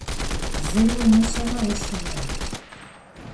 Зыри умыщӏэмэ ущыуэн?!